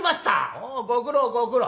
「おうご苦労ご苦労。